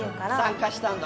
参加したんだ？